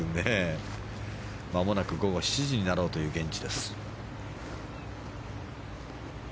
まもなく午後７時になろうという現地です。